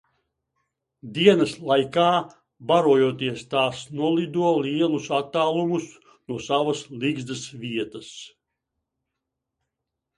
Dienas laikā barojoties tas nolido lielus attālumus no savas ligzdas vietas.